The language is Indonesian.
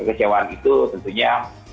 kecewaan itu tentunya